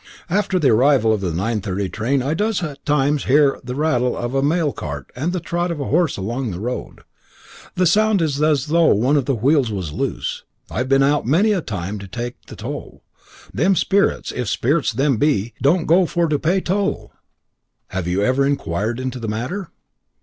"After the arrival of the 9.30 train I does at times hear the rattle as of a mail cart and the trot of a horse along the road; and the sound is as though one of the wheels was loose. I've a been out many a time to take the toll; but, Lor' bless 'ee! them sperits if sperits them be don't go for to pay toll." "Have you never inquired into the matter?"